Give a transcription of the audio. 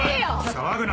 騒ぐな。